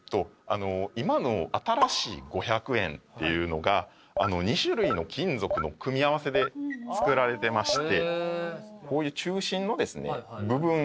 今の新しい５００円っていうのが２種類の金属の組み合わせで造られてましてこういう。